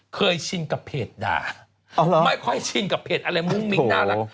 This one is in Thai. ชินกับเพจด่าไม่ค่อยชินกับเพจอะไรมุ่งมิ้งน่ารัก